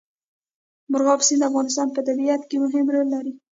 مورغاب سیند د افغانستان په طبیعت کې مهم رول لري.